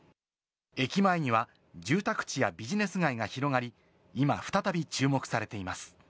駅前には住宅地やビジネス街が広がり、今、再び注目されています。